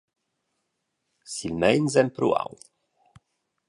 Silmeins empruau.